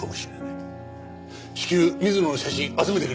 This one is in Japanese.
至急水野の写真集めてくれ。